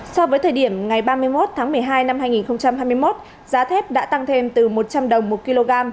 so với thời điểm ngày ba mươi một tháng một mươi hai năm hai nghìn hai mươi một giá thép đã tăng thêm từ một trăm linh đồng một kg